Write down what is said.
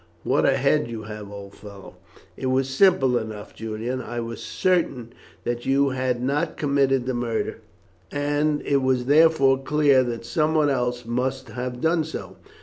What a head you have, old fellow!" "It was simple enough, Julian. I was certain that you had not committed the murder, and it was therefore clear that someone else must have done so.